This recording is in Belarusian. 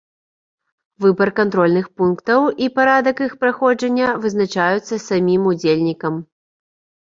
Выбар кантрольных пунктаў і парадак іх праходжання вызначаюцца самім удзельнікам.